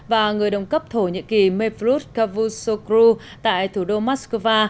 và người đồng cấp thổ nhiệm kỳ mevlut cavusoglu tại thủ đô moscow